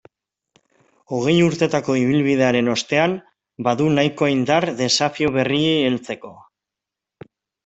Hogei urtetako ibilbidearen ostean, badu nahikoa indar desafio berriei heltzeko.